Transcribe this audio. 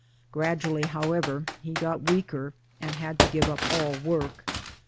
Gradually however he got weaker, and had to give up all work.